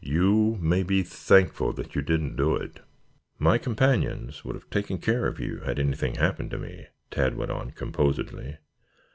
"You may be thankful that you didn't do it. My companions would have taken care of you, had anything happened to me," Tad went on composedly.